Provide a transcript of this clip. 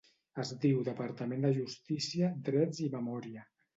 Es diu Departament de Justícia, Drets i Memòria